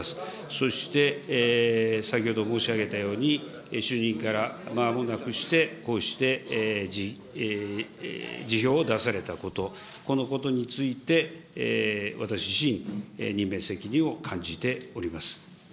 そして先ほど申し上げたように、就任から間もなくして、こうして辞表を出されたこと、このことについて、私自身、任命責任を感じております。